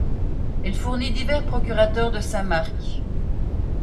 Elle fournit divers procurateur de Saint-Marc.